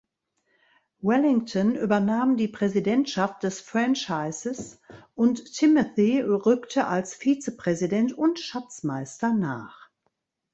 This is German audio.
Wellington übernahm die Präsidentschaft des Franchises und Timothy rückte als Vizepräsident und Schatzmeister nach.